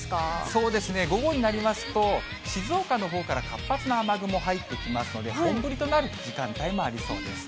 そうですね、午後になりますと、静岡のほうから活発な雨雲入ってきますので、本降りとなる時間帯もありそうです。